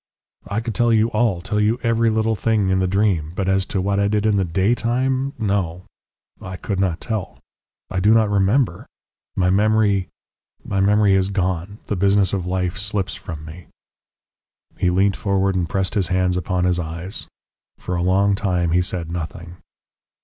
"I could tell you all, tell you every little thing in the dream, but as to what I did in the daytime no. I could not tell I do not remember. My memory my memory has gone. The business of life slips from me " He leant forward, and pressed his hands upon his eyes. For a long time he said nothing.